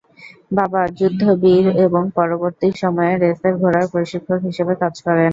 বাবা যুদ্ধবীর এবং পরবর্তী সময়ে রেসের ঘোড়ার প্রশিক্ষক হিসেবে কাজ করেন।